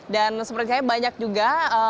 dan seperti saya banyak juga